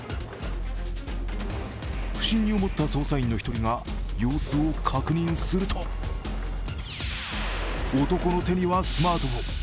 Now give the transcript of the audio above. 不審に思った捜査員の１人が様子を確認すると男の手にはスマートフォン。